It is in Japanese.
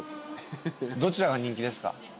どちらが人気ですか？